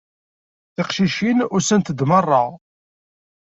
Tiqcicin usant-d merra.